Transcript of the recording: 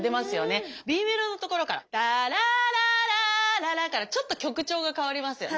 Ｂメロのところから「タラララーララ」からちょっと曲調が変わりますよね。